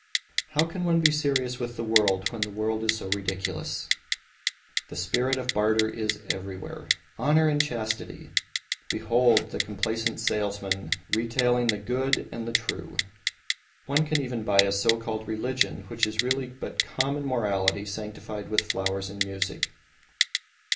How can one be serious with the world when the world itself is so ridiculous! The spirit of barter is everywhere. Honour and Chastity! Behold the complacent salesman retailing the Good and True. One can even buy a so called Religion, which is really but common morality sanctified with flowers and music.